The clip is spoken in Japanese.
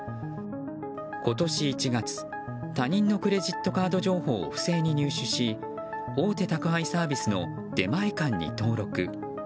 今年１月他人のクレジットカード情報を不正に入手し大手宅配サービスの出前館に登録。